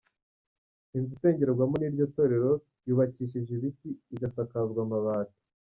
Inzu isengerwamo n’iryo torero yubakishije ibiti, igasakazwa amabati.